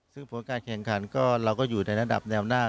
ซึ่งผลการแข่งขันก็เราก็อยู่ในระดับแนวหน้า